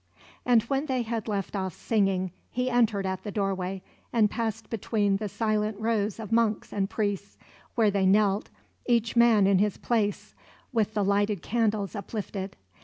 And when they had left off singing, he entered at the doorway, and passed between the silent rows of monks and priests, where they knelt, each man in his place, with the lighted candles uplifted.